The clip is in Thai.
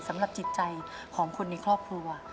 สำหรับจิตใจของคนในครอบครัว